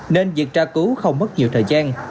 nên việc tra cứu không mất nhiều thời gian